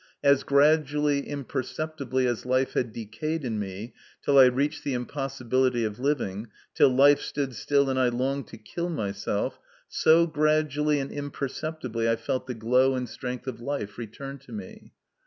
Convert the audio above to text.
As gradually, imperceptibly as life had decayed in me, till I reached the impossibility of living, till life stood still, and I longed to kill myself, so gradually and imperceptibly I felt the glow and strength of life return to me.